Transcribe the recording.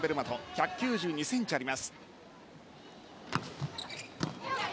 １９２ｃｍあります。